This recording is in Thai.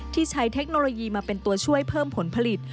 ที่ใช้เทคโนโลยีมาเป็นตัวช่วยเพิ่มผลผลิต